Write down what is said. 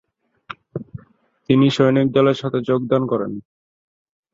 তিনি সৈনিকদলের সাথে যোগদান করেন।